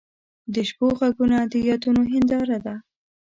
د شپو ږغونه د یادونو هنداره ده.